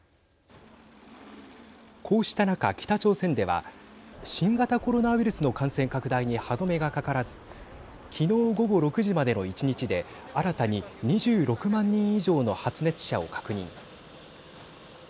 こうした中、北朝鮮では新型コロナウイルスの感染拡大に歯止めがかからずきのう午後６時までの１日で新たに２６万人以上の発熱者を確認。